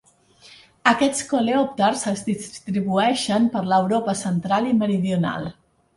Aquests coleòpters es distribueixen per l'Europa central i meridional.